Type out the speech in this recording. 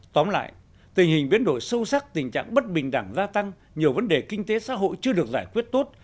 tóm lại tình hình biến đổi sâu sắc tình trạng bất bình đẳng gia tăng nhiều vấn đề kinh tế xã hội chưa được giải quyết tốt